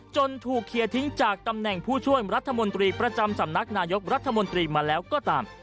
ถูกเคลียร์ทิ้งจากตำแหน่งผู้ช่วยรัฐมนตรีประจำสำนักนายกรัฐมนตรีมาแล้วก็ตาม